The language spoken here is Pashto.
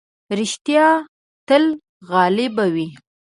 رښتيا تل غالب وي.